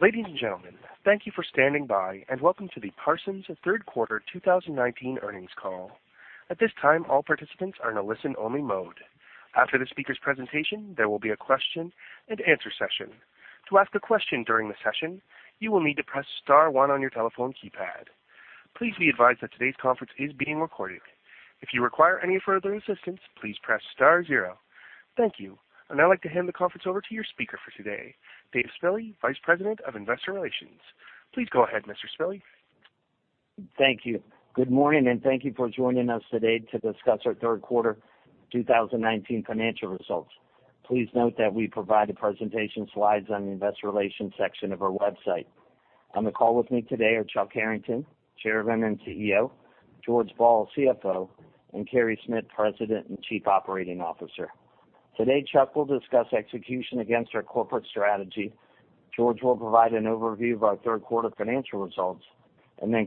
Ladies and gentlemen, thank you for standing by, and welcome to the Parsons third quarter 2019 earnings call. At this time, all participants are in a listen-only mode. After the speaker's presentation, there will be a question-and-answer session. To ask a question during the session, you will need to press star one on your telephone keypad. Please be advised that today's conference is being recorded. If you require any further assistance, please press star zero. Thank you. I'd now like to hand the conference over to your speaker for today, Dave Spille, Vice President of Investor Relations. Please go ahead, Mr. Spille. Thank you. Good morning. Thank you for joining us today to discuss our third quarter 2019 financial results. Please note that we provide the presentation slides on the investor relations section of our website. On the call with me today are Chuck Harrington, Chairman and CEO, George Ball, CFO, and Carey Smith, President and Chief Operating Officer. Today, Chuck will discuss execution against our corporate strategy. George will provide an overview of our third quarter financial results.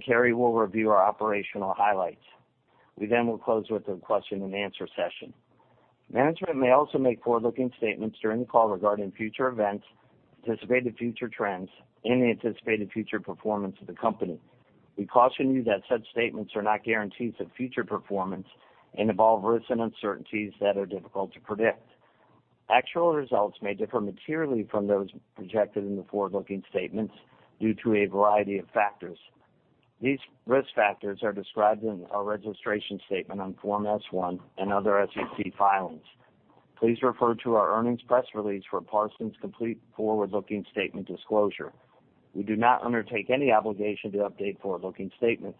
Carey will review our operational highlights. We then will close with a question-and-answer session. Management may also make forward-looking statements during the call regarding future events, anticipated future trends, and the anticipated future performance of the company. We caution you that such statements are not guarantees of future performance and involve risks and uncertainties that are difficult to predict. Actual results may differ materially from those projected in the forward-looking statements due to a variety of factors. These risk factors are described in our registration statement on Form S-1 and other SEC filings. Please refer to our earnings press release for Parsons' complete forward-looking statement disclosure. We do not undertake any obligation to update forward-looking statements.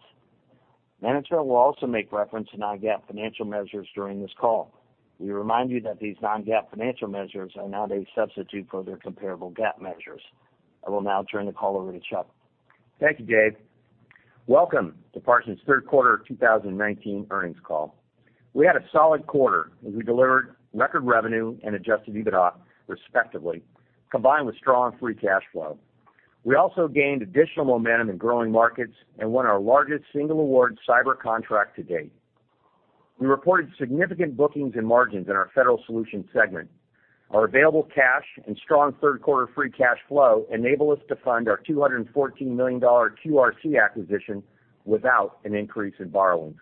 Management will also make reference to non-GAAP financial measures during this call. We remind you that these non-GAAP financial measures are not a substitute for their comparable GAAP measures. I will now turn the call over to Chuck. Thank you, Dave. Welcome to Parsons' third quarter 2019 earnings call. We had a solid quarter as we delivered record revenue and adjusted EBITDA, respectively, combined with strong free cash flow. We also gained additional momentum in growing markets and won our largest single award cyber contract to date. We reported significant bookings and margins in our Federal Solutions segment. Our available cash and strong third quarter free cash flow enable us to fund our $214 million QRC acquisition without an increase in borrowings.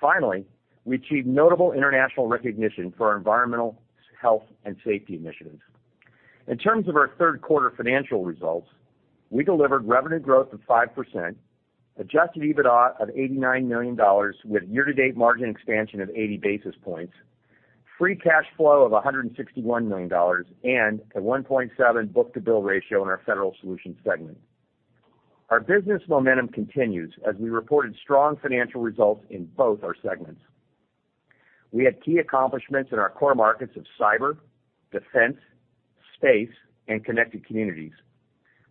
Finally, we achieved notable international recognition for our environmental, health, and safety initiatives. In terms of our third quarter financial results, we delivered revenue growth of 5%, adjusted EBITDA of $89 million with year-to-date margin expansion of 80 basis points, free cash flow of $161 million, and a 1.7 book-to-bill ratio in our Federal Solutions segment. Our business momentum continues as we reported strong financial results in both our segments. We had key accomplishments in our core markets of cyber, defense, space, and connected communities.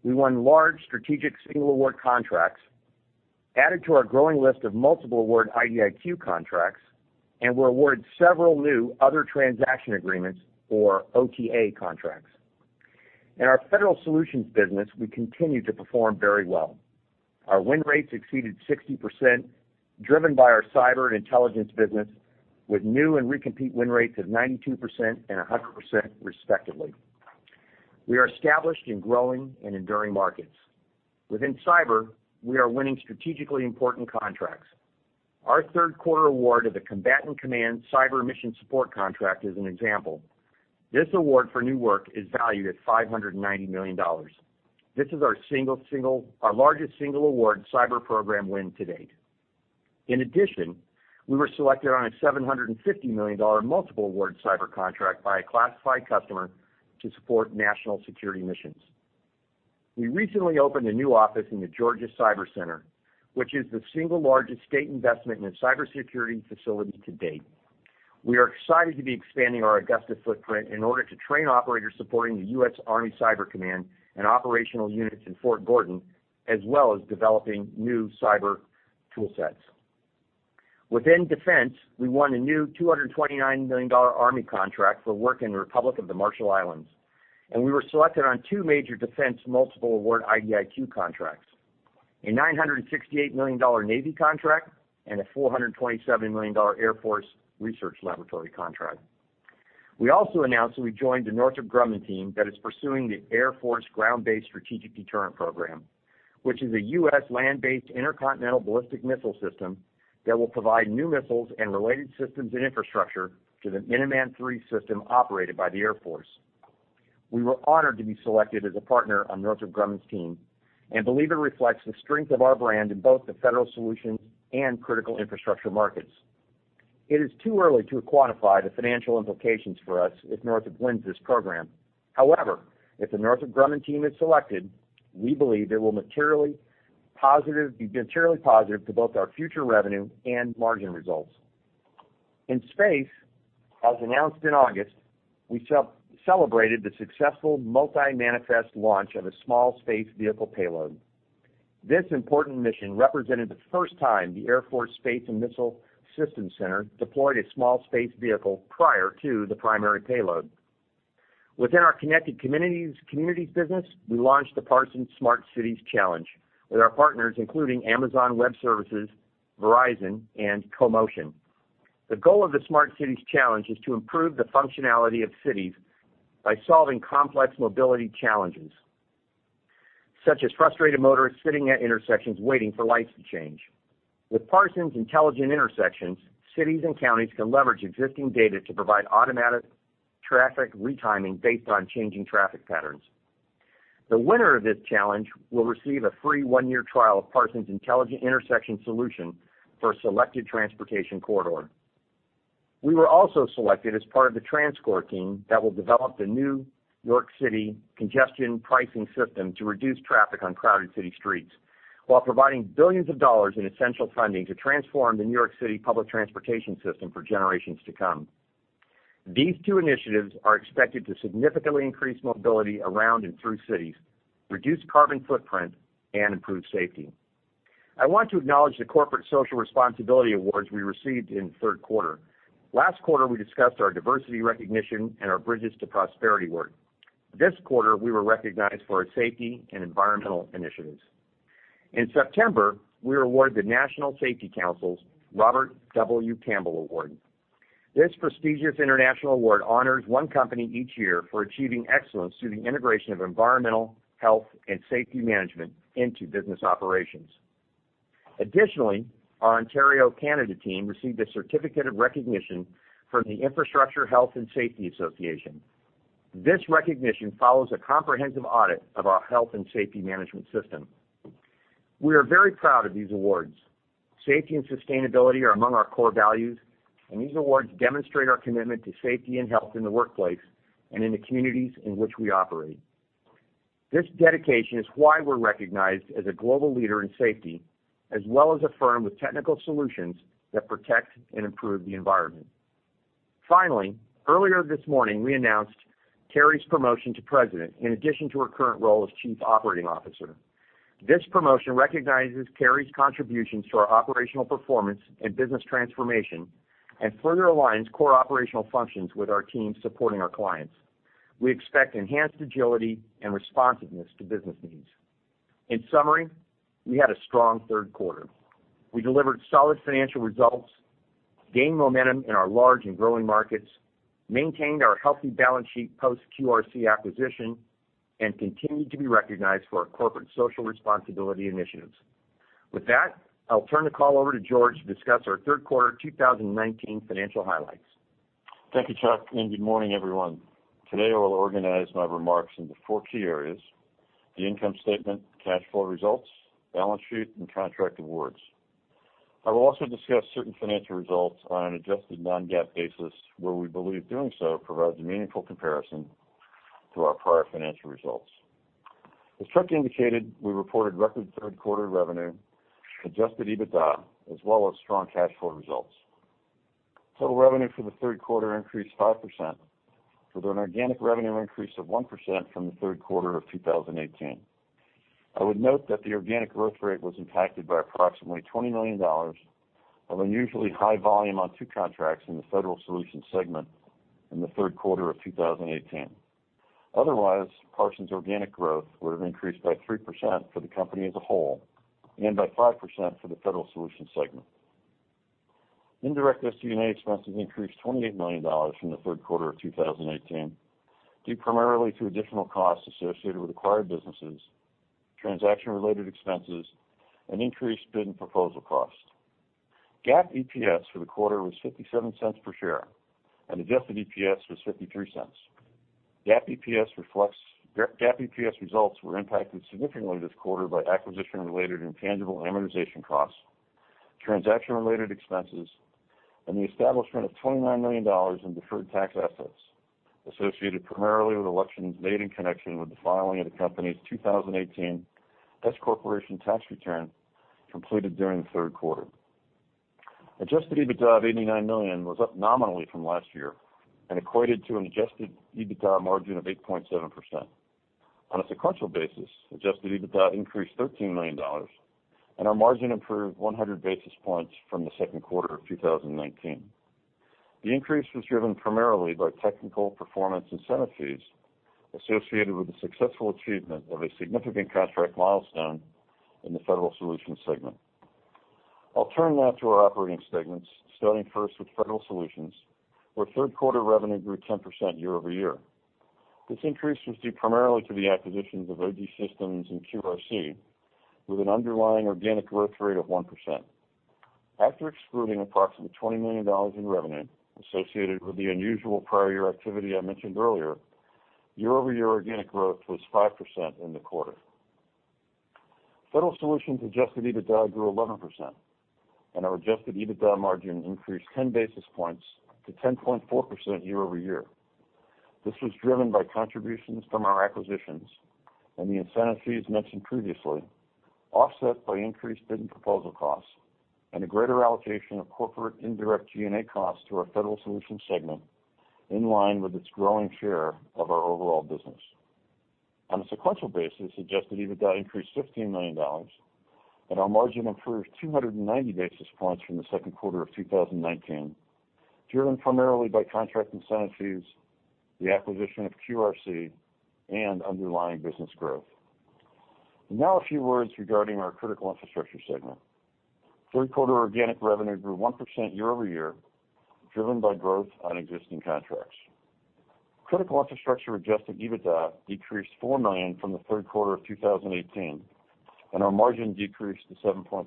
We won large strategic single award contracts, added to our growing list of multiple award IDIQ contracts, and were awarded several new other transaction agreements or OTA contracts. In our Federal Solutions business, we continue to perform very well. Our win rates exceeded 60%, driven by our cyber intelligence business with new and recompete win rates of 92% and 100%, respectively. We are established in growing and enduring markets. Within cyber, we are winning strategically important contracts. Our third quarter award of the Combatant Command Cyber Mission Support contract is an example. This award for new work is valued at $590 million. This is our largest single award cyber program win to date. In addition, we were selected on a $750 million multiple award cyber contract by a classified customer to support national security missions. We recently opened a new office in the Georgia Cyber Center, which is the single largest state investment in a cybersecurity facility to date. We are excited to be expanding our Augusta footprint in order to train operators supporting the U.S. Army Cyber Command and operational units in Fort Gordon, as well as developing new cyber tool sets. Within defense, we won a new $229 million Army contract for work in the Republic of the Marshall Islands, and we were selected on two major defense multiple award IDIQ contracts, a $968 million Navy contract, and a $427 million Air Force Research Laboratory contract. We also announced that we joined the Northrop Grumman team that is pursuing the Air Force Ground-Based Strategic Deterrent program, which is a U.S. land-based intercontinental ballistic missile system that will provide new missiles and related systems and infrastructure to the Minuteman III system operated by the Air Force. We were honored to be selected as a partner on Northrop Grumman's team and believe it reflects the strength of our brand in both the Federal Solutions and Critical Infrastructure markets. It is too early to quantify the financial implications for us if Northrop wins this program. If the Northrop Grumman team is selected, we believe it will be materially positive to both our future revenue and margin results. In space, as announced in August, we celebrated the successful multi-manifest launch of a small space vehicle payload. This important mission represented the first time the Air Force Space and Missile Systems Center deployed a small space vehicle prior to the primary payload. Within our connected communities business, we launched the Parsons Smart Cities Challenge with our partners, including Amazon Web Services, Verizon, and CoMotion. The goal of the Smart Cities Challenge is to improve the functionality of cities by solving complex mobility challenges, such as frustrated motorists sitting at intersections waiting for lights to change. With Parsons Intelligent Intersections, cities and counties can leverage existing data to provide automatic traffic retiming based on changing traffic patterns. The winner of this challenge will receive a free one-year trial of Parsons Intelligent Intersection solution for a selected transportation corridor. We were also selected as part of the TransCore team that will develop the New York City congestion pricing system to reduce traffic on crowded city streets, while providing billions of dollars in essential funding to transform the New York City public transportation system for generations to come. These two initiatives are expected to significantly increase mobility around and through cities, reduce carbon footprint, and improve safety. I want to acknowledge the corporate social responsibility awards we received in the third quarter. Last quarter, we discussed our diversity recognition and our Bridges to Prosperity work. This quarter, we were recognized for our safety and environmental initiatives. In September, we were awarded the National Safety Council's Robert W. Campbell Award. This prestigious international award honors one company each year for achieving excellence through the integration of environmental, health, and safety management into business operations. Additionally, our Ontario, Canada team received a certificate of recognition from the Infrastructure Health and Safety Association. This recognition follows a comprehensive audit of our health and safety management system. We are very proud of these awards. Safety and sustainability are among our core values, and these awards demonstrate our commitment to safety and health in the workplace and in the communities in which we operate. This dedication is why we're recognized as a global leader in safety, as well as a firm with technical solutions that protect and improve the environment. Finally, earlier this morning, we announced Carey's promotion to President, in addition to her current role as Chief Operating Officer. This promotion recognizes Carey's contributions to our operational performance and business transformation and further aligns core operational functions with our teams supporting our clients. We expect enhanced agility and responsiveness to business needs. In summary, we had a strong third quarter. We delivered solid financial results, gained momentum in our large and growing markets, maintained our healthy balance sheet post QRC acquisition, and continued to be recognized for our corporate social responsibility initiatives. With that, I'll turn the call over to George to discuss our third quarter 2019 financial highlights. Thank you, Chuck, and good morning, everyone. Today, I will organize my remarks into four key areas: the income statement, cash flow results, balance sheet, and contract awards. I will also discuss certain financial results on an adjusted non-GAAP basis where we believe doing so provides a meaningful comparison to our prior financial results. As Chuck indicated, we reported record third quarter revenue, adjusted EBITDA, as well as strong cash flow results. Total revenue for the third quarter increased 5%, with an organic revenue increase of 1% from the third quarter of 2018. I would note that the organic growth rate was impacted by approximately $20 million of unusually high volume on two contracts in the Federal Solutions segment in the third quarter of 2018. Otherwise, Parsons' organic growth would have increased by 3% for the company as a whole and by 5% for the Federal Solutions segment. Indirect SG&A expenses increased $28 million from the third quarter of 2018, due primarily to additional costs associated with acquired businesses, transaction-related expenses, and increased bid and proposal costs. GAAP EPS for the quarter was $0.57 per share and adjusted EPS was $0.53. GAAP EPS results were impacted significantly this quarter by acquisition-related intangible amortization costs, transaction-related expenses, and the establishment of $29 million in deferred tax assets, associated primarily with elections made in connection with the filing of the company's 2018 S corporation tax return completed during the third quarter. Adjusted EBITDA of $89 million was up nominally from last year and equated to an adjusted EBITDA margin of 8.7%. On a sequential basis, adjusted EBITDA increased $13 million, and our margin improved 100 basis points from the second quarter of 2019. The increase was driven primarily by technical performance incentive fees associated with the successful achievement of a significant contract milestone in the Federal Solutions segment. I'll turn now to our operating segments, starting first with Federal Solutions, where third quarter revenue grew 10% year-over-year. This increase was due primarily to the acquisitions of OGSystems and QRC, with an underlying organic growth rate of 1%. After excluding approximately $20 million in revenue associated with the unusual prior year activity I mentioned earlier, year-over-year organic growth was 5% in the quarter. Federal Solutions adjusted EBITDA grew 11%, and our adjusted EBITDA margin increased 10 basis points to 10.4% year-over-year. This was driven by contributions from our acquisitions and the incentive fees mentioned previously, offset by increased bid and proposal costs, and a greater allocation of corporate indirect G&A costs to our Federal Solutions segment, in line with its growing share of our overall business. On a sequential basis, adjusted EBITDA increased $15 million, and our margin improved 290 basis points from the second quarter of 2019, driven primarily by contract incentive fees, the acquisition of QRC, and underlying business growth. Now a few words regarding our Critical Infrastructure segment. Third quarter organic revenue grew 1% year-over-year, driven by growth on existing contracts. Critical Infrastructure adjusted EBITDA decreased $4 million from the third quarter of 2018, and our margin decreased to 7.2%.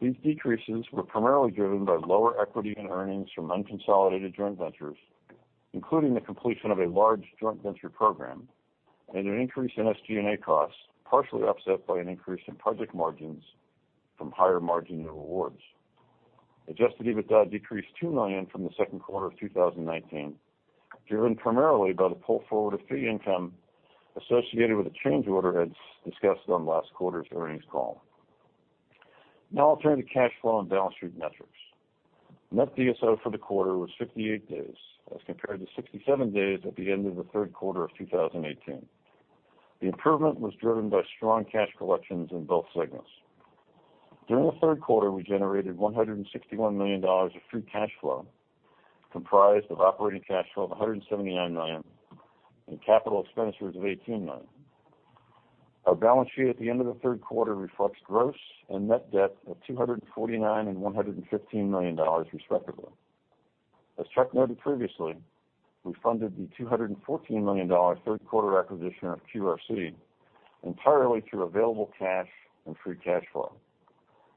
These decreases were primarily driven by lower equity and earnings from unconsolidated joint ventures, including the completion of a large joint venture program and an increase in SG&A costs, partially offset by an increase in project margins from higher margin awards. Adjusted EBITDA decreased $2 million from the second quarter of 2019, driven primarily by the pull forward of fee income associated with the change order as discussed on last quarter's earnings call. I'll turn to cash flow and balance sheet metrics. Net DSO for the quarter was 58 days as compared to 67 days at the end of the third quarter of 2018. The improvement was driven by strong cash collections in both segments. During the third quarter, we generated $161 million of free cash flow, comprised of operating cash flow of $179 million and capital expenditures of $18 million. Our balance sheet at the end of the third quarter reflects gross and net debt of $249 million and $115 million, respectively. As Chuck noted previously, we funded the $214 million third quarter acquisition of QRC entirely through available cash and free cash flow.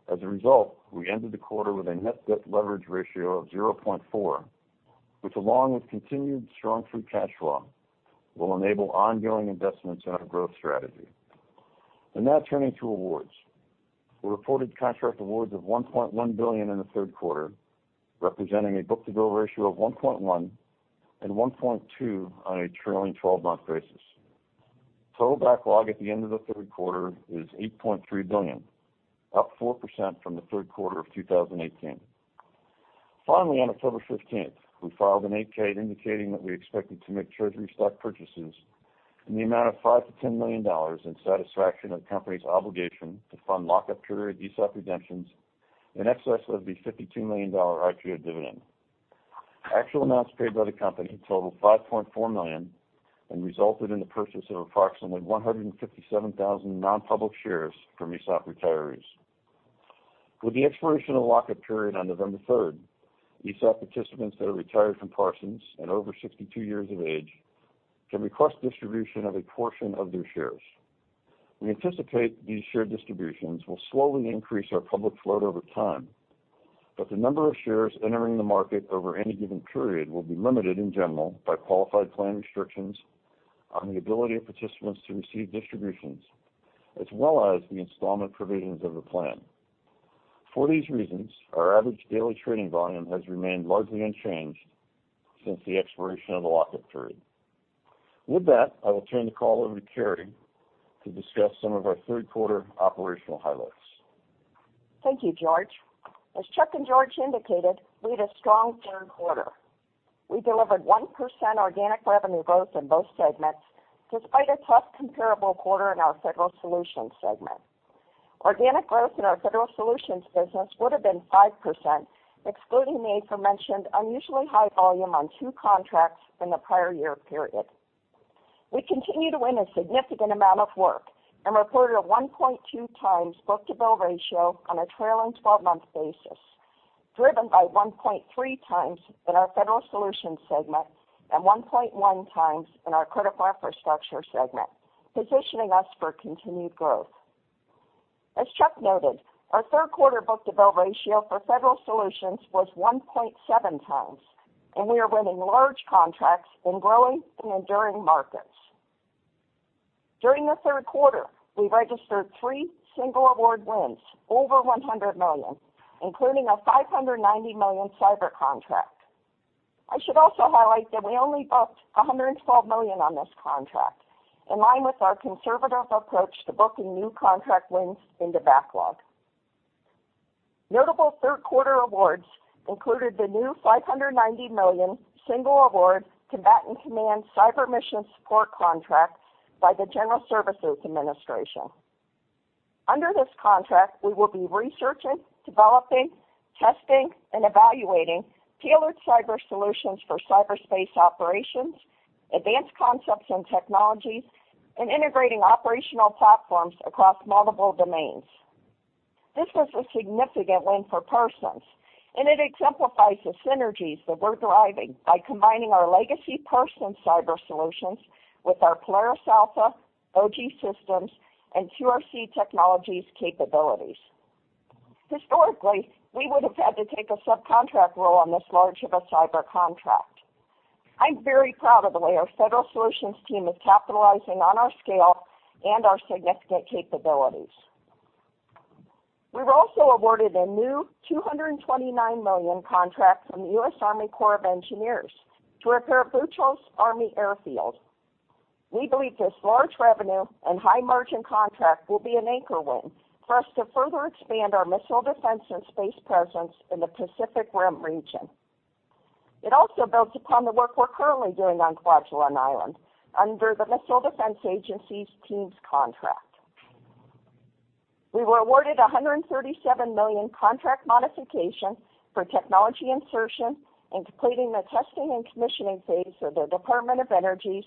As a result, we ended the quarter with a net debt leverage ratio of 0.4, which, along with continued strong free cash flow, will enable ongoing investments in our growth strategy. Now turning to awards. We reported contract awards of $1.1 billion in the third quarter, representing a book-to-bill ratio of 1.1 and 1.2 on a trailing 12-month basis. Total backlog at the end of the third quarter is $8.3 billion, up 4% from the third quarter of 2018. On October 15th, we filed an 8-K indicating that we expected to make treasury stock purchases in the amount of $5 million to $10 million in satisfaction of the company's obligation to fund lock-up period ESOP redemptions in excess of the $52 million IPO dividend. Actual amounts paid by the company totaled $5.4 million and resulted in the purchase of approximately 157,000 non-public shares from ESOP retirees. With the expiration of lock-up period on November 3rd, ESOP participants that are retired from Parsons and over 62 years of age can request distribution of a portion of their shares. We anticipate these share distributions will slowly increase our public float over time, but the number of shares entering the market over any given period will be limited in general by qualified plan restrictions on the ability of participants to receive distributions, as well as the installment provisions of the plan. For these reasons, our average daily trading volume has remained largely unchanged since the expiration of the lock-up period. With that, I will turn the call over to Carey to discuss some of our third quarter operational highlights. Thank you, George. As Chuck and George indicated, we had a strong third quarter. We delivered 1% organic revenue growth in both segments, despite a tough comparable quarter in our Federal Solutions segment. Organic growth in our Federal Solutions business would have been 5%, excluding the aforementioned unusually high volume on two contracts in the prior year period. We continue to win a significant amount of work and reported a 1.2 times book-to-bill ratio on a trailing 12-month basis, driven by 1.3 times in our Federal Solutions segment and 1.1 times in our Critical Infrastructure segment, positioning us for continued growth. As Chuck noted, our third quarter book-to-bill ratio for Federal Solutions was 1.7 times, and we are winning large contracts in growing and enduring markets. During the third quarter, we registered three single award wins over $100 million, including a $590 million cyber contract. I should also highlight that we only booked $112 million on this contract, in line with our conservative approach to booking new contract wins into backlog. Notable third quarter awards included the new $590 million single award Combatant Commands Cyber Mission Support contract by the General Services Administration. Under this contract, we will be researching, developing, testing, and evaluating tailored cyber solutions for cyberspace operations, advanced concepts and technologies, and integrating operational platforms across multiple domains. This was a significant win for Parsons. It exemplifies the synergies that we're deriving by combining our legacy Parsons cyber solutions with our Polaris Alpha, OGSystems, and QRC Technologies capabilities. Historically, we would have had to take a subcontract role on this large of a cyber contract. I'm very proud of the way our Federal Solutions team is capitalizing on our scale and our significant capabilities. We were also awarded a new $229 million contract from the U.S. Army Corps of Engineers to repair Bucholz Army Airfield. We believe this large revenue and high margin contract will be an anchor win for us to further expand our missile defense and space presence in the Pacific Rim region. It also builds upon the work we're currently doing on Kwajalein Island under the Missile Defense Agency's Teams contract. We were awarded a $137 million contract modification for technology insertion and completing the testing and commissioning phase of the Department of Energy's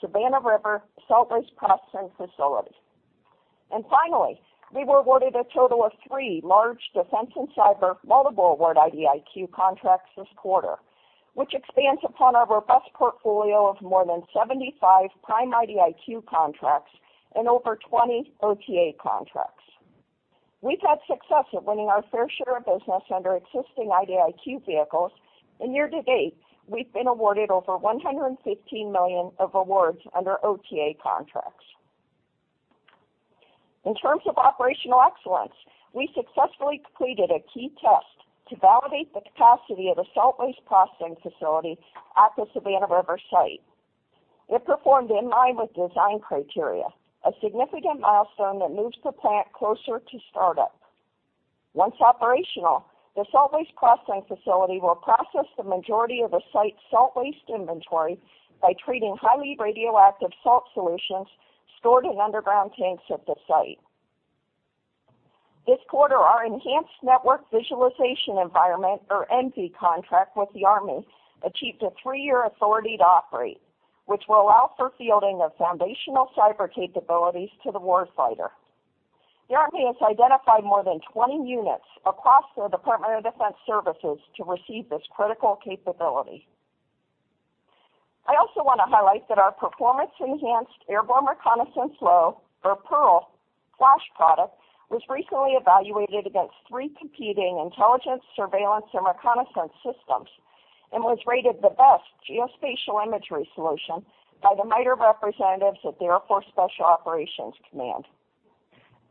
Savannah River Salt Waste Processing Facility. Finally, we were awarded a total of three large defense and cyber multiple award IDIQ contracts this quarter, which expands upon our robust portfolio of more than 75 prime IDIQ contracts and over 20 OTA contracts. We've had success at winning our fair share of business under existing IDIQ vehicles. In year to date, we've been awarded over $115 million of awards under OTA contracts. In terms of operational excellence, we successfully completed a key test to validate the capacity of the Salt Waste Processing Facility at the Savannah River Site. It performed in line with design criteria, a significant milestone that moves the plant closer to start-up. Once operational, the Salt Waste Processing Facility will process the majority of the site's salt waste inventory by treating highly radioactive salt solutions stored in underground tanks at the site. This quarter, our enhanced network visualization environment, or ENV contract with the Army, achieved a three-year authority to operate, which will allow for fielding of foundational cyber capabilities to the war fighter. The Army has identified more than 20 units across the Department of Defense services to receive this critical capability. I also want to highlight that our Performance-Enhanced Airborne Reconnaissance Low (PeARL) Flash product was recently evaluated against three competing intelligence, surveillance, and reconnaissance systems and was rated the best geospatial imagery solution by the MITRE representatives at the Air Force Special Operations Command.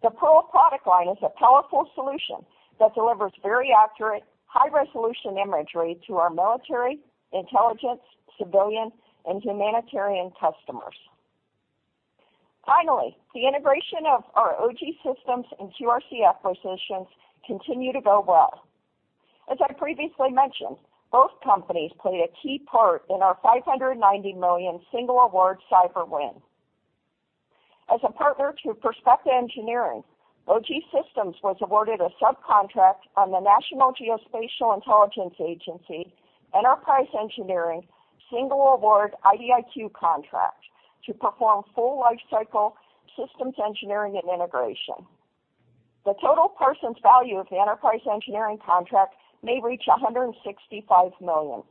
The PeARL product line is a powerful solution that delivers very accurate, high-resolution imagery to our military, intelligence, civilian, and humanitarian customers. Finally, the integration of our OGSystems and QRC acquisitions continue to go well. As I previously mentioned, both companies play a key part in our $590 million single award cyber win. As a partner to Perspecta Engineering, OGSystems was awarded a subcontract on the National Geospatial-Intelligence Agency Enterprise Engineering single award IDIQ contract to perform full lifecycle systems engineering and integration. The total Parsons' value of the enterprise engineering contract may reach $165 million.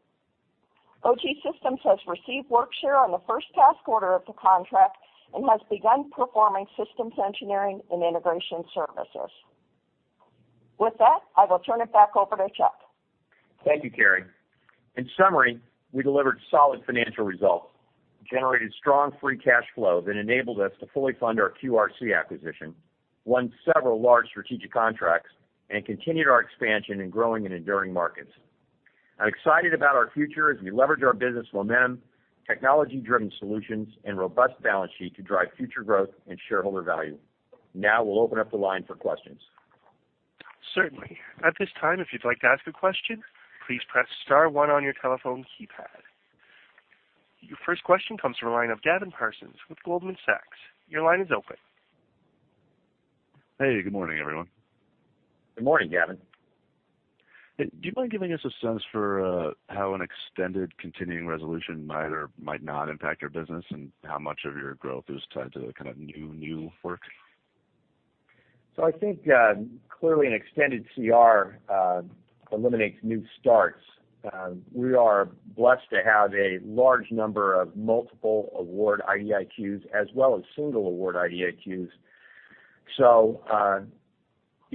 OGSystems has received workshare on the first task order of the contract and has begun performing systems engineering and integration services. With that, I will turn it back over to Chuck. Thank you, Carey. In summary, we delivered solid financial results, generated strong free cash flow that enabled us to fully fund our QRC acquisition, won several large strategic contracts, and continued our expansion in growing and enduring markets. I'm excited about our future as we leverage our business momentum, technology-driven solutions, and robust balance sheet to drive future growth and shareholder value. Now we'll open up the line for questions. Certainly. At this time, if you'd like to ask a question, please press *1 on your telephone keypad. Your first question comes from the line of Gavin Parsons with Goldman Sachs. Your line is open. Hey, good morning, everyone. Good morning, Gavin. Do you mind giving us a sense for how an extended continuing resolution might or might not impact your business, and how much of your growth is tied to kind of new work? I think, clearly an extended CR eliminates new starts. We are blessed to have a large number of multiple award IDIQs as well as single award IDIQs.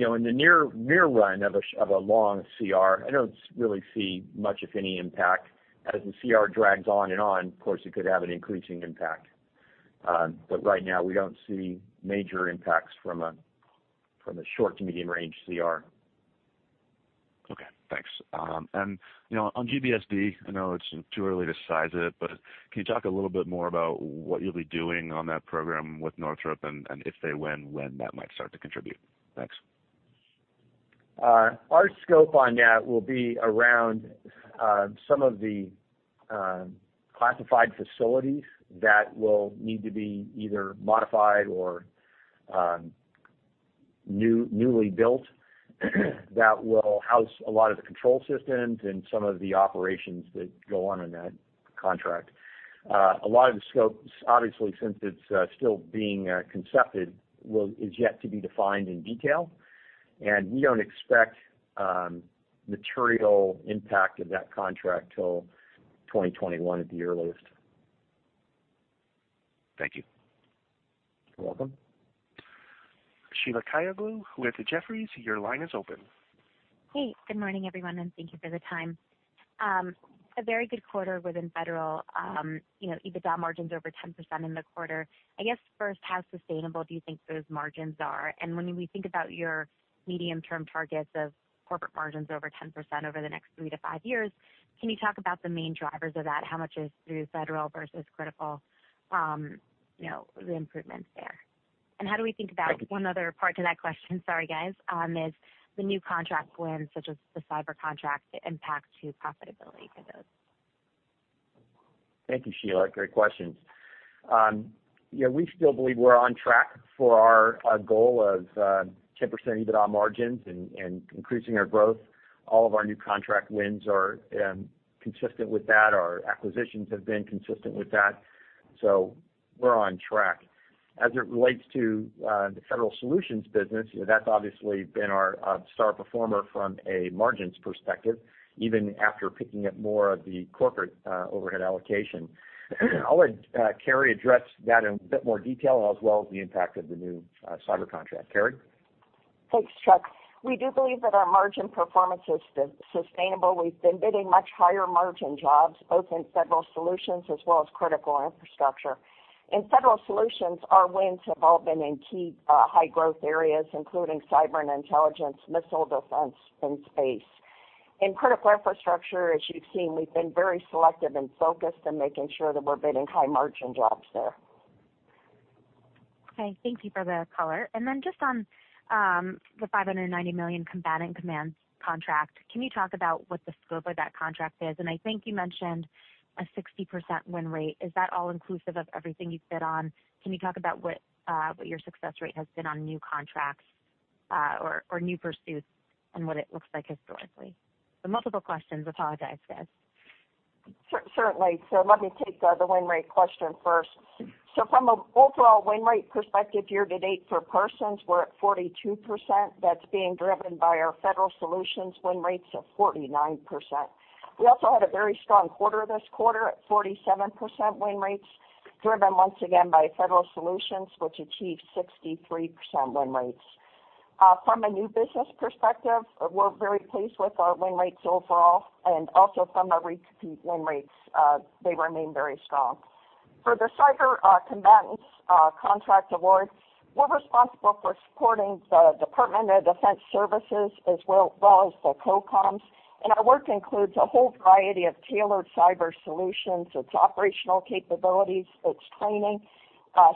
In the near run of a long CR, I don't really see much of any impact. As the CR drags on and on, of course, it could have an increasing impact. Right now, we don't see major impacts from a short to medium range CR. Okay, thanks. On GBSD, I know it's too early to size it, can you talk a little bit more about what you'll be doing on that program with Northrop, and if they win, when that might start to contribute? Thanks. Our scope on that will be around some of the classified facilities that will need to be either modified or newly built that will house a lot of the control systems and some of the operations that go on in that contract. A lot of the scopes, obviously, since it's still being concepted, is yet to be defined in detail, and we don't expect material impact of that contract till 2021 at the earliest. Thank you. You're welcome. Sheila Kahyaoglu with Jefferies, your line is open. Hey, good morning, everyone, and thank you for the time. A very good quarter within Federal, EBITDA margins over 10% in the quarter. I guess, first, how sustainable do you think those margins are? When we think about your medium-term targets of corporate margins over 10% over the next three to five years, can you talk about the main drivers of that? How much is through Federal versus Critical, the improvements there? How do we think about one other part to that question, sorry, guys, is the new contract wins, such as the cyber contract impact to profitability for those? Thank you, Sheila. Great questions. We still believe we're on track for our goal of 10% EBITDA margins and increasing our growth. All of our new contract wins are consistent with that. Our acquisitions have been consistent with that. We're on track. As it relates to the Federal Solutions business, that's obviously been our star performer from a margins perspective, even after picking up more of the corporate overhead allocation. I'll let Carey address that in a bit more detail, as well as the impact of the new cyber contract. Carey? Thanks, Chuck. We do believe that our margin performance is sustainable. We've been bidding much higher margin jobs, both in Federal Solutions as well as Critical Infrastructure. In Federal Solutions, our wins have all been in key high growth areas, including cyber and intelligence, missile defense, and space. In Critical Infrastructure, as you've seen, we've been very selective and focused in making sure that we're bidding high margin jobs there. Okay. Thank you for the color. Just on the $590 million Combatant Command contract, can you talk about what the scope of that contract is? I think you mentioned a 60% win rate. Is that all inclusive of everything you bid on? Can you talk about what your success rate has been on new contracts or new pursuits and what it looks like historically? Multiple questions. Apologize, guys. Certainly. Let me take the win rate question first. From an overall win rate perspective year to date for Parsons, we're at 42%. That's being driven by our Federal Solutions win rates of 49%. We also had a very strong quarter this quarter at 47% win rates, driven once again by Federal Solutions, which achieved 63% win rates. From a new business perspective, we're very pleased with our win rates overall, and also from a re-compete win rates, they remain very strong. For the cyber Combatant Commands award, we're responsible for supporting the Department of Defense services as well as the COCOMs, and our work includes a whole variety of tailored cyber solutions. It's operational capabilities, it's training,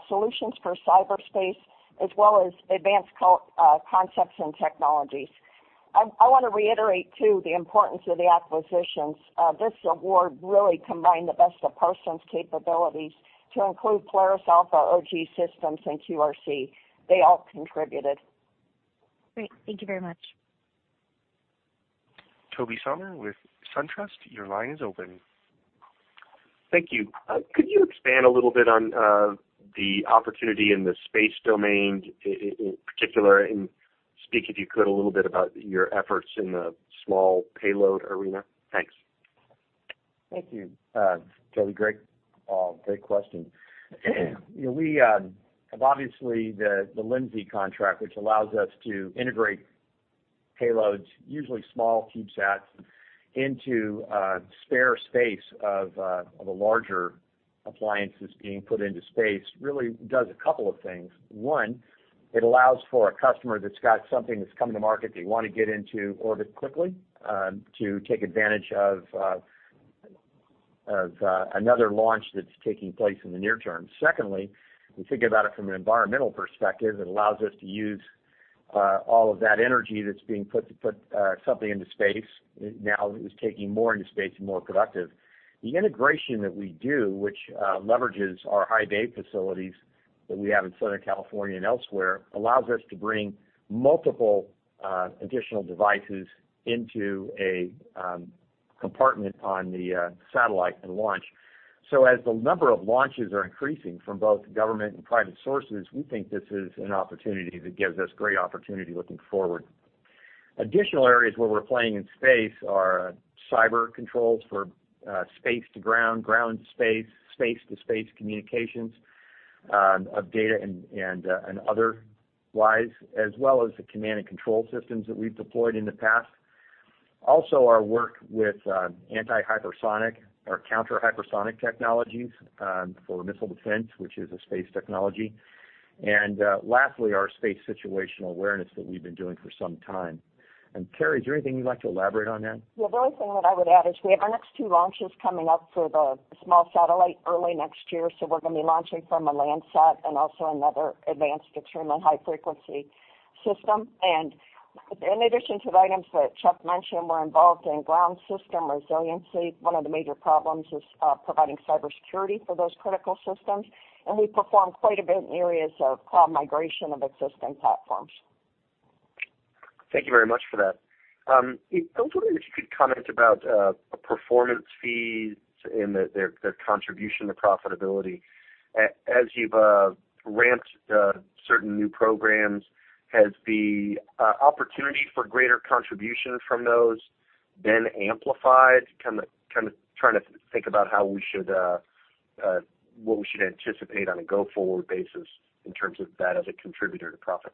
solutions for cyberspace, as well as advanced concepts and technologies. I want to reiterate, too, the importance of the acquisitions. This award really combined the best of Parsons capabilities to include Polaris Alpha, OGSystems, and QRC. They all contributed. Great. Thank you very much. Tobey Sommer with SunTrust, your line is open. Thank you. Could you expand a little bit on the opportunity in the space domain in particular, and speak, if you could, a little bit about your efforts in the small payload arena? Thanks. Thank you. Tobey, great question. Obviously, the LMSI contract, which allows us to integrate payloads, usually small CubeSats, into spare space of a larger appliance that's being put into space really does a couple of things. One, it allows for a customer that's got something that's coming to market they want to get into orbit quickly to take advantage of another launch that's taking place in the near term. Secondly, we think about it from an environmental perspective. It allows us to use all of that energy that's being put to put something into space. Now it is taking more into space and more productive. The integration that we do, which leverages our high bay facilities that we have in Southern California and elsewhere, allows us to bring multiple additional devices into a compartment on the satellite and launch. As the number of launches are increasing from both government and private sources, we think this is an opportunity that gives us great opportunity looking forward. Additional areas where we're playing in space are cyber controls for space to ground to space to space communications of data and otherwise, as well as the command and control systems that we've deployed in the past. Also, our work with anti-hypersonic or counter hypersonic technologies for missile defense, which is a space technology. Lastly, our space situational awareness that we've been doing for some time. Carey, is there anything you'd like to elaborate on there? The only thing that I would add is we have our next two launches coming up for the small satellite early next year. We're going to be launching from a Landsat and also another Advanced Extremely High Frequency system. In addition to the items that Chuck mentioned, we're involved in ground system resiliency. One of the major problems is providing cybersecurity for those critical systems. We perform quite a bit in areas of cloud migration of existing platforms. Thank you very much for that. I was wondering if you could comment about performance fees and their contribution to profitability. As you've ramped certain new programs, has the opportunity for greater contribution from those been amplified? Kind of trying to think about what we should anticipate on a go-forward basis in terms of that as a contributor to profit.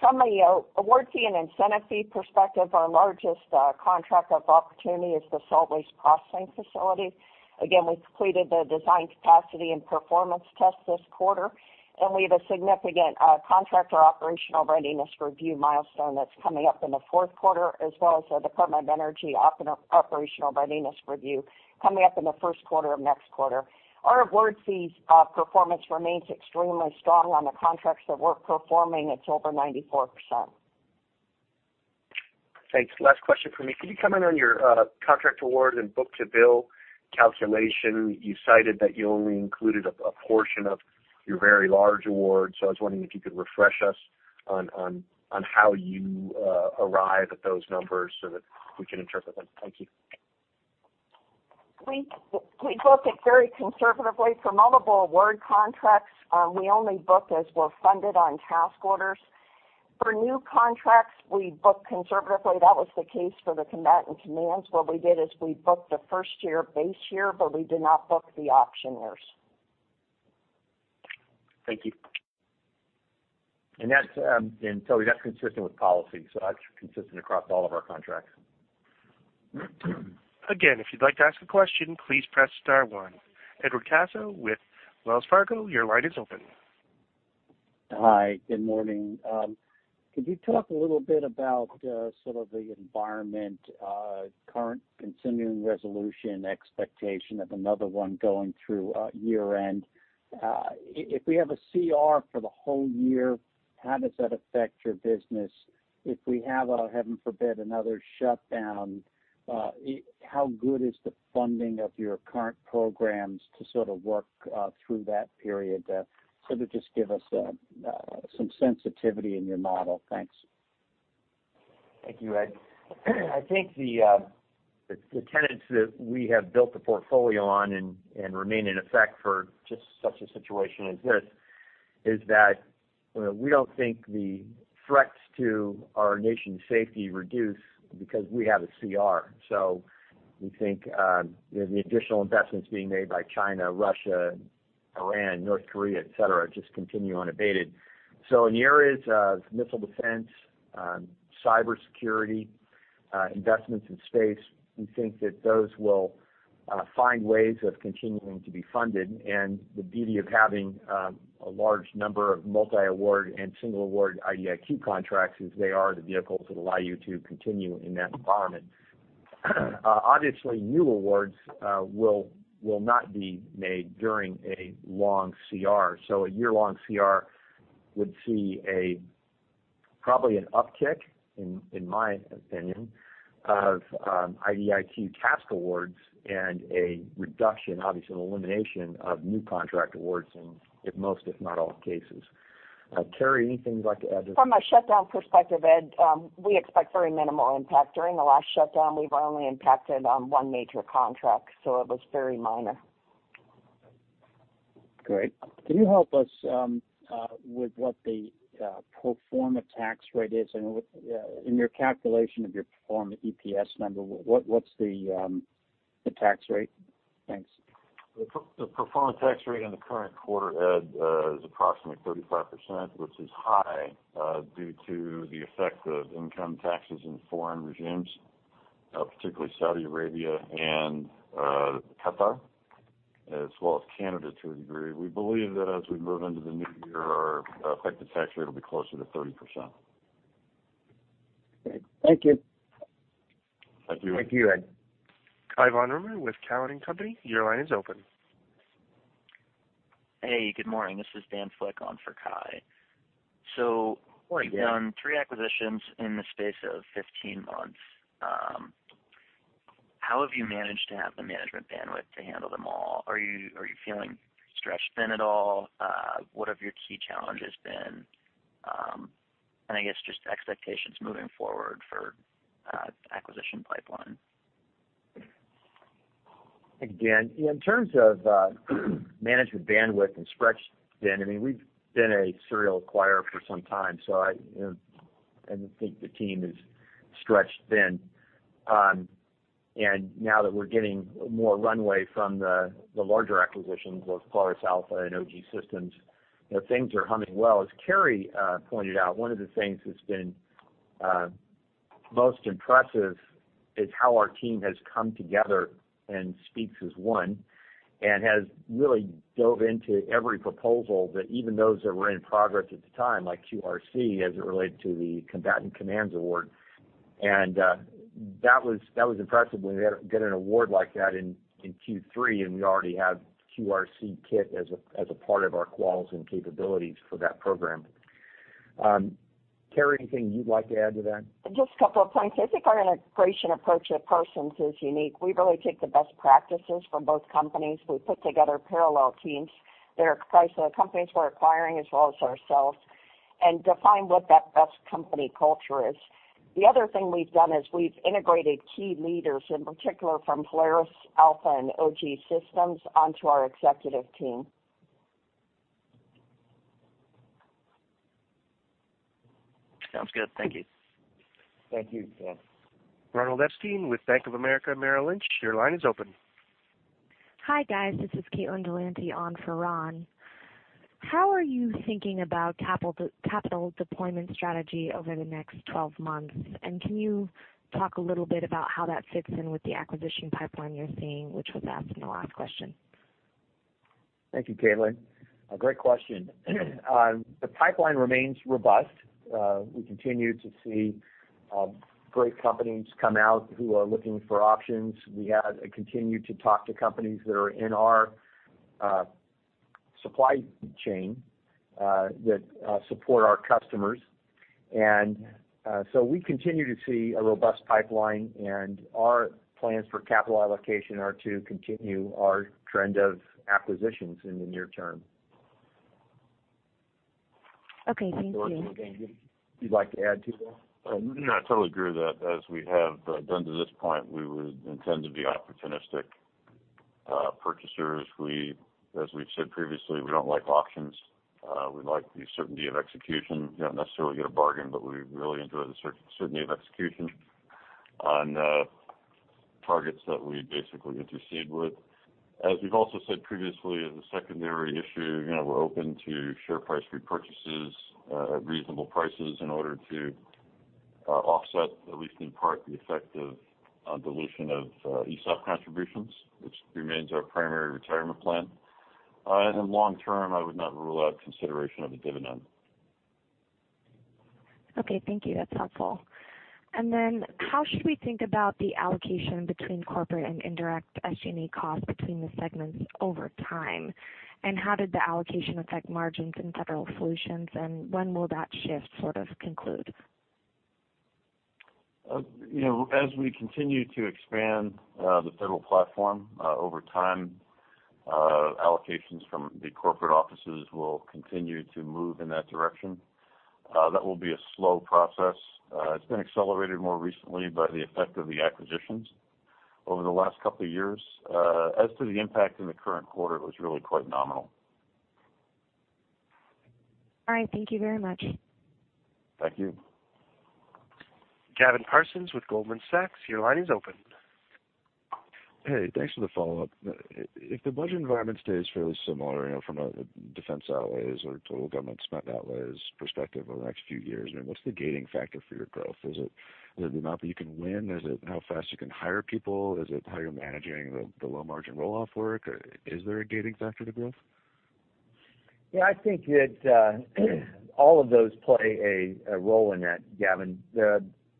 From an award fee and incentive fee perspective, our largest contract of opportunity is the Salt Waste Processing Facility. Again, we completed the design capacity and performance test this quarter, and we have a significant contractor operational readiness review milestone that's coming up in the fourth quarter, as well as the Department of Energy operational readiness review coming up in the first quarter of next quarter. Our award fees performance remains extremely strong on the contracts that we're performing. It's over 94%. Thanks. Last question for me. Can you comment on your contract award and book-to-bill calculation? You cited that you only included a portion of your very large award, so I was wondering if you could refresh us on how you arrive at those numbers so that we can interpret them. Thank you. We book it very conservatively. For multiple award contracts, we only book as we're funded on task orders. For new contracts, we book conservatively. That was the case for the Combatant Commands. What we did is we booked the first-year base year, but we did not book the option years. Thank you. That's consistent with policy, so that's consistent across all of our contracts. If you'd like to ask a question, please press star one. Edward Caso with Wells Fargo, your line is open. Hi. Good morning. Could you talk a little bit about sort of the environment, current continuing resolution expectation of another one going through year-end? If we have a CR for the whole year, how does that affect your business? If we have, heaven forbid, another shutdown, how good is the funding of your current programs to sort of work through that period? Sort of just give us some sensitivity in your model. Thanks. Thank you, Ed. I think the tenets that we have built the portfolio on and remain in effect for just such a situation as this, is that we don't think the threats to our nation's safety reduce because we have a CR. We think the additional investments being made by China, Russia, Iran, North Korea, et cetera, just continue unabated. In the areas of missile defense, cybersecurity, investments in space, we think that those will find ways of continuing to be funded. The beauty of having a large number of multi-award and single award IDIQ contracts is they are the vehicles that allow you to continue in that environment. Obviously, new awards will not be made during a long CR. A year-long CR would see probably an uptick, in my opinion, of IDIQ task awards and a reduction, obviously an elimination, of new contract awards in most, if not all, cases. Carey, anything you'd like to add there? From a shutdown perspective, Ed, we expect very minimal impact. During the last shutdown, we were only impacted on one major contract, so it was very minor. Great. Can you help us with what the pro forma tax rate is, and in your calculation of your pro forma EPS number, what's the tax rate? Thanks. The pro forma tax rate in the current quarter, Ed, is approximately 35%, which is high due to the effect of income taxes in foreign regimes, particularly Saudi Arabia and Qatar, as well as Canada to a degree. We believe that as we move into the new year, our effective tax rate will be closer to 30%. Thank you. Thank you. Thank you, Ed. Cai von Rumohr with Cowen and Company, your line is open. Hey, good morning. This is Dan Flick on for Cai. Morning, Dan. You've done three acquisitions in the space of 15 months. How have you managed to have the management bandwidth to handle them all? Are you feeling stretched thin at all? What have your key challenges been? I guess just expectations moving forward for the acquisition pipeline. Thanks, Dan. In terms of management bandwidth and stretched thin, we've been a serial acquirer for some time. I don't think the team is stretched thin. Now that we're getting more runway from the larger acquisitions, both Polaris Alpha and OGSystems, things are humming well. As Carey pointed out, one of the things that's been most impressive is how our team has come together and speaks as one and has really dove into every proposal that even those that were in progress at the time, like QRC, as it related to the combatant commands award. That was impressive when you get an award like that in Q3, and we already have QRC kit as a part of our quals and capabilities for that program. Carey, anything you'd like to add to that? Just a couple of points. I think our integration approach at Parsons is unique. We really take the best practices from both companies. We put together parallel teams that are comprised of the companies we're acquiring as well as ourselves, and define what that best company culture is. The other thing we've done is we've integrated key leaders, in particular from Polaris Alpha and OGSystems, onto our executive team. Sounds good. Thank you. Thank you, Dan. Ronald Epstein with Bank of America Merrill Lynch, your line is open. Hi, guys. This is Caitlin Delanty on for Ron. How are you thinking about capital deployment strategy over the next 12 months? Can you talk a little bit about how that fits in with the acquisition pipeline you're seeing, which was asked in the last question? Thank you, Caitlin. A great question. The pipeline remains robust. We continue to see great companies come out who are looking for options. We have and continue to talk to companies that are in our supply chain that support our customers. We continue to see a robust pipeline, and our plans for capital allocation are to continue our trend of acquisitions in the near term. Okay. Thank you. George, anything you'd like to add to that? No, I totally agree with that. As we have done to this point, we would intend to be opportunistic purchasers. As we've said previously, we don't like auctions. We like the certainty of execution. You don't necessarily get a bargain, but we really enjoy the certainty of execution on targets that we basically intercede with. As we've also said previously, as a secondary issue, we're open to share price repurchases at reasonable prices in order to offset, at least in part, the effect of dilution of ESOP contributions, which remains our primary retirement plan. Long term, I would not rule out consideration of a dividend. Okay. Thank you. That's helpful. How should we think about the allocation between corporate and indirect SG&A costs between the segments over time? How did the allocation affect margins in Federal Solutions, and when will that shift sort of conclude? As we continue to expand the federal platform over time, allocations from the corporate offices will continue to move in that direction. That will be a slow process. It's been accelerated more recently by the effect of the acquisitions over the last couple of years. As to the impact in the current quarter, it was really quite nominal. All right. Thank you very much. Thank you. Gavin Parsons with Goldman Sachs, your line is open. Hey, thanks for the follow-up. If the budget environment stays fairly similar from a defense outlays or total government spend outlays perspective over the next few years, what's the gating factor for your growth? Is it the amount that you can win? Is it how fast you can hire people? Is it how you're managing the low-margin roll-off work? Is there a gating factor to growth? I think that all of those play a role in that, Gavin.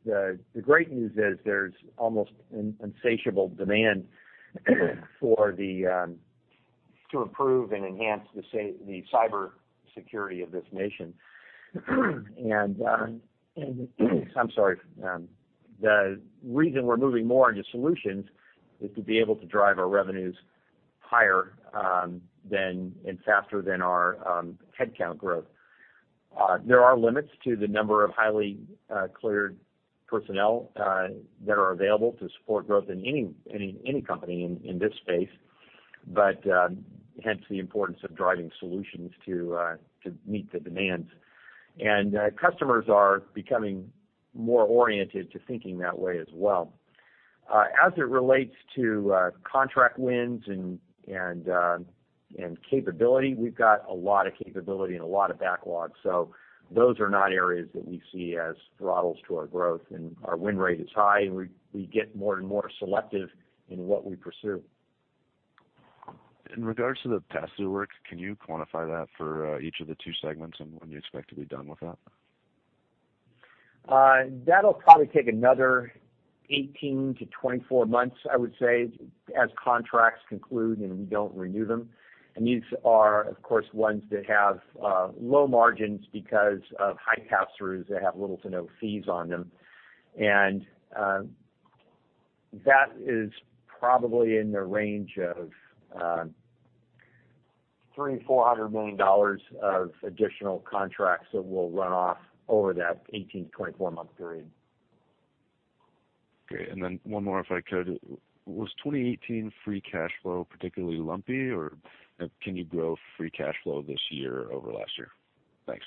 The great news is there's almost an insatiable demand to improve and enhance the cybersecurity of this nation. The reason we're moving more into solutions is to be able to drive our revenues higher and faster than our headcount growth. There are limits to the number of highly cleared personnel that are available to support growth in any company in this space, hence the importance of driving solutions to meet the demands. Customers are becoming more oriented to thinking that way as well. As it relates to contract wins and capability, we've got a lot of capability and a lot of backlog. Those are not areas that we see as throttles to our growth, and our win rate is high, and we get more and more selective in what we pursue. In regards to the past due work, can you quantify that for each of the two segments and when you expect to be done with that? That'll probably take another 18-24 months, I would say, as contracts conclude, and we don't renew them. These are, of course, ones that have low margins because of high pass-throughs that have little to no fees on them. That is probably in the range of $300 million-$400 million of additional contracts that will run off over that 18-24 month period. Okay, one more, if I could. Was 2018 free cash flow particularly lumpy, or can you grow free cash flow this year over last year? Thanks.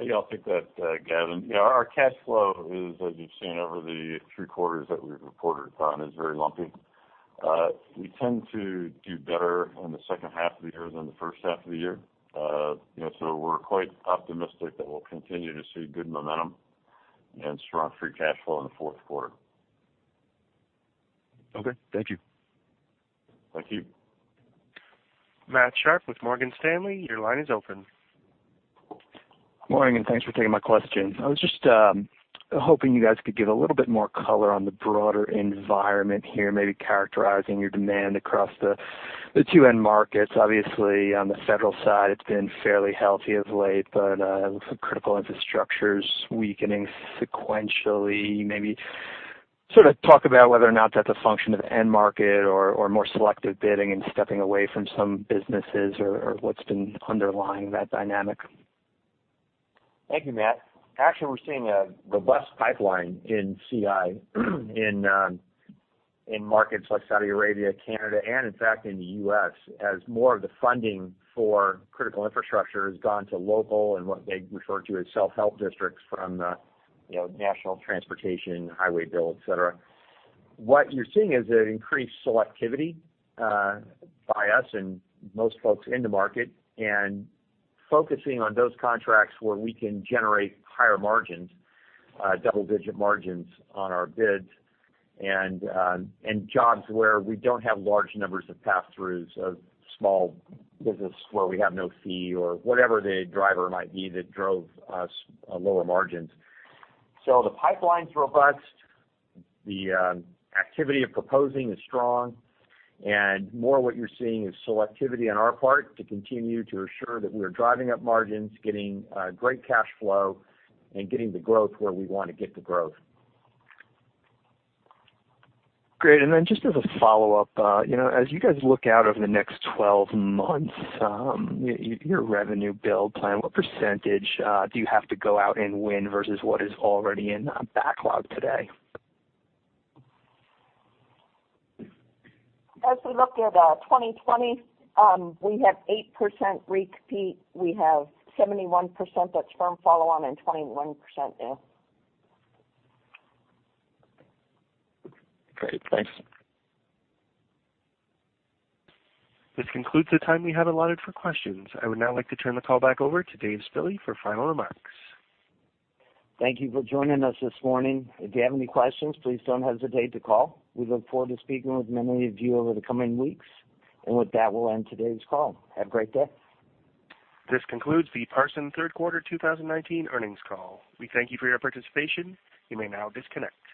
Yeah, I'll take that, Gavin. Our cash flow is, as you've seen over the three quarters that we've reported on, is very lumpy. We tend to do better in the second half of the year than the first half of the year. We're quite optimistic that we'll continue to see good momentum and strong free cash flow in the fourth quarter. Okay. Thank you. Thank you. Matthew Sharpe with Morgan Stanley, your line is open. Morning, thanks for taking my questions. I was just hoping you guys could give a little bit more color on the broader environment here, maybe characterizing your demand across the two end markets. Obviously, on the federal side, it's been fairly healthy of late, it looks like Critical Infrastructure's weakening sequentially. Maybe sort of talk about whether or not that's a function of end market or more selective bidding and stepping away from some businesses or what's been underlying that dynamic. Thank you, Matt. Actually, we're seeing a robust pipeline in CI in markets like Saudi Arabia, Canada, and in fact, in the U.S., as more of the funding for Critical Infrastructure has gone to local and what they refer to as self-help districts from the National Transportation Highway Bill, et cetera. What you're seeing is an increased selectivity by us and most folks in the market and focusing on those contracts where we can generate higher margins, double-digit margins on our bids, and jobs where we don't have large numbers of pass-throughs of small business where we have no fee or whatever the driver might be that drove us lower margins. The pipeline's robust. The activity of proposing is strong. More what you're seeing is selectivity on our part to continue to assure that we are driving up margins, getting great cash flow, and getting the growth where we want to get the growth. Great, just as a follow-up, as you guys look out over the next 12 months, your revenue build plan, what % do you have to go out and win versus what is already in backlog today? As we look at 2020, we have 8% repeat. We have 71% that's firm follow-on and 21% new. Great. Thanks. This concludes the time we have allotted for questions. I would now like to turn the call back over to Dave Spille for final remarks. Thank you for joining us this morning. If you have any questions, please don't hesitate to call. We look forward to speaking with many of you over the coming weeks. With that, we'll end today's call. Have a great day. This concludes the Parsons third quarter 2019 earnings call. We thank you for your participation. You may now disconnect.